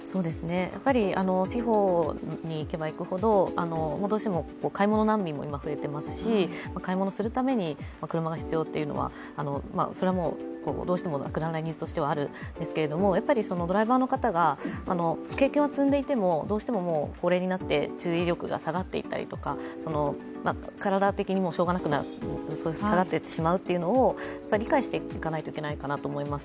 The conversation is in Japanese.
やっぱり地方に行けば行くほどどうしても買い物難民も今、増えてますし買い物するために車が必要というのはそれもどうしてもなくならないニーズとしてはあるんですがドライバーの方が経験を積んでいてもどうしても高齢になって注意力が下がっていたりとか体的にもしょうがなくなる下がっていってしまうというのを理解していかないといけないかなと思います。